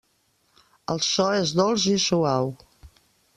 El so és dolç i suau.